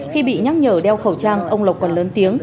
khi bị nhắc nhở đeo khẩu trang ông lộc còn lớn tiếng